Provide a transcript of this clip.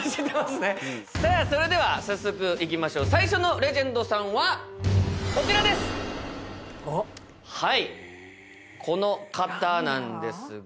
さあ、それではいきましょう、さいしょのレジェンドさんはこちらです。